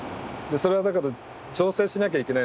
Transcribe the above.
それはだけど調整しなきゃいけないんですね。